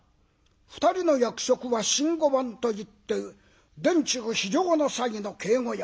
２人の役職は新御番といって殿中非常の際の警護役。